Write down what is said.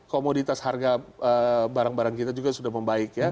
komoditas harga barang barang kita juga sudah membaik ya